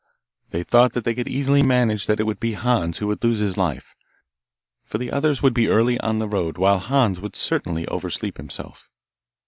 They thought they could easily manage that it would be Hans who would lose his life, for the others would be early on the road, while Hans would certainly oversleep himself.